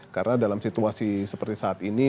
karena dalam situasi seperti saat ini